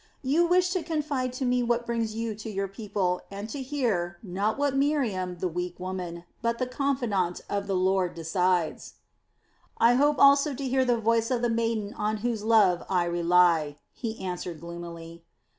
You wished to confide to me what brings you to your people and to hear, not what Miriam, the weak woman, but the confidante of the Lord decides." "I hoped also to hear the voice of the maiden on whose love I rely," he answered gloomily.